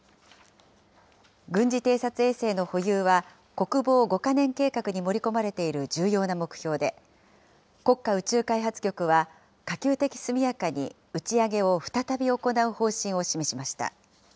軍事偵察衛星の保有は、国防５か年計画に盛り込まれている重要な目標で、国家宇宙開発局は、可及的速やかに打ち上げを再び行う方針を示しました。